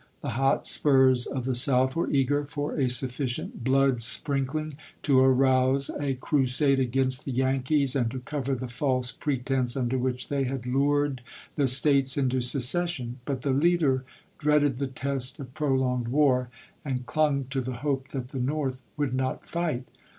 The hotspurs of the South were eager for a sufficient CIVIL WAB 261 " blood spriiikliug " to arouse a crusade against chap.xiv. the Yankees, and to cover the false pretense under which they had lured the States into secession; but the leader dreaded the test of prolonged war, and clung to the hope that the North would not fight.